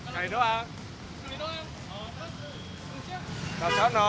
kan aja doang kalau cepat cepat